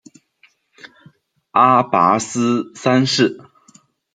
阿拔斯三世。